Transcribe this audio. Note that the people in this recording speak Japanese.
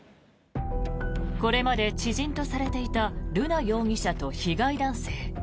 これまで知人とされていた瑠奈容疑者と被害男性。